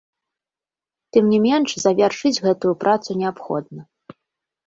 Тым не менш завяршыць гэтую працу неабходна.